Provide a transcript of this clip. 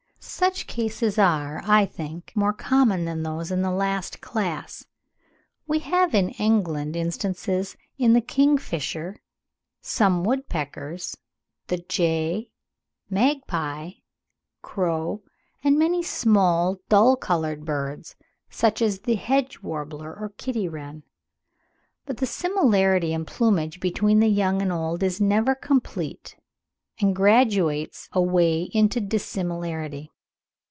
Such cases are, I think, more common than those in the last class. We have in England instances in the kingfisher, some woodpeckers, the jay, magpie, crow, and many small dull coloured birds, such as the hedge warbler or kitty wren. But the similarity in plumage between the young and the old is never complete, and graduates away into dissimilarity.